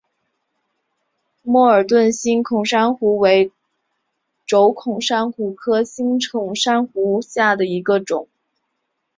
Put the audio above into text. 默尔敦星孔珊瑚为轴孔珊瑚科星孔珊瑚下的一个种。